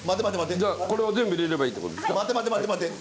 じゃあこれを全部入れればいいってことですか？